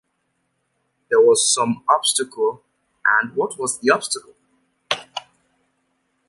There was some obstacle; and what was the obstacle?